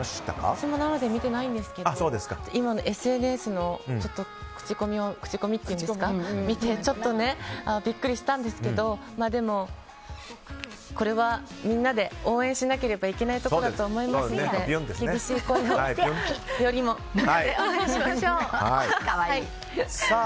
私も生で見てないんですがＳＮＳの口コミを見てちょっとビックリしたんですけどでも、これはみんなで応援しなければいけないことだと思いますので厳しい声よりも応援しましょう。